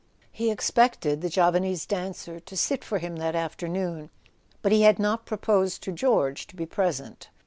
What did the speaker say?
He expected the Javanese dancer to sit to him that afternoon, but he had not proposed to George to be present.